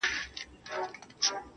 یو ډارونکی، ورانونکی شی خو هم نه دی